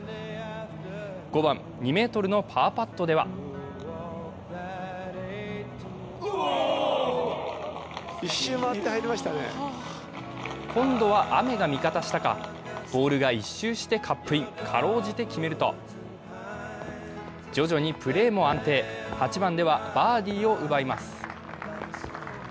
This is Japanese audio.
５番、２ｍのパーパットでは今度は雨が味方したかボールが１周してカップイン、かろうじて決めると徐々にプレーも安定、８番ではバーディーを奪います。